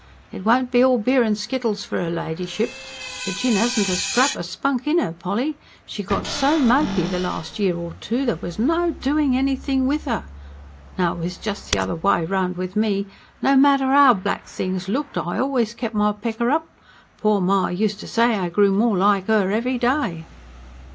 It won't be all beer and skittles for 'er ladyship. For Jinn hasn't a scrap of spunk in 'er, Polly. She got so mopey the last year or two, there was no doing anything with 'er. Now it was just the other way round with me. No matter how black things looked, I always kept my pecker up. Poor ma used to say I grew more like her, every day."